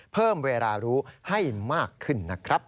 เพิ่มเวลารู้ให้มากขึ้นนะครับ